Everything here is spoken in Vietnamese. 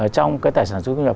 trong cái tài sản thu nhập